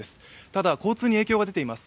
ただ、交通に影響が出ています。